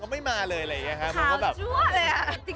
ก็ไม่มาเลยอะไรอย่างเงี้ยฮะมันก็แบบ